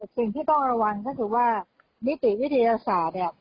สิ่งที่ต้องระวังก็คือว่านิติวิทยาศาสตร์เนี่ย